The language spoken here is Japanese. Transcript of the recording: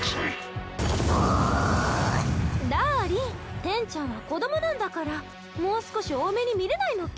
ダーリンテンちゃんは子供なんだからもう少し大目に見れないのけ？